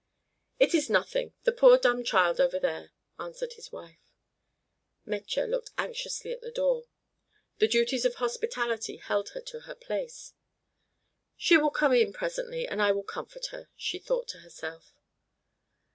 "It is nothing. The poor dumb child over there," answered his wife. Metje looked anxiously at the door. The duties of hospitality held her to her place. "She will come in presently and I will comfort her," she thought to herself.